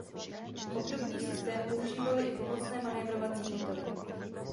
Obdobný systém používaly i pomocné manévrovací motory.